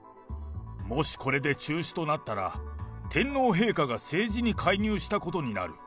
もし、これで中止となったら、天皇陛下が政治に介入したことになる。